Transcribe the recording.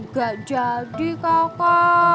gak jadi kaka